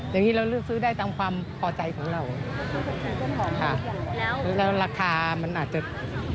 แต่นี่เรารู้ซื้อได้ตามความพอใจของเราค่ะแล้วราคามันอาจจะของ